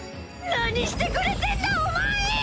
何してくれてんだお前！